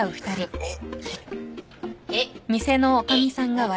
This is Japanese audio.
えっ。